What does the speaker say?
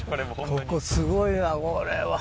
ここすごいわこれは。